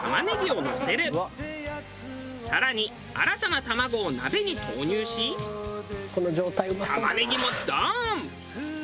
更に新たな卵を鍋に投入し玉ねぎもドーン！